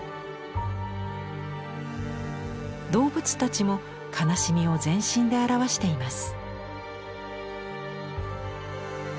動物たちも悲しみを全身で表しています。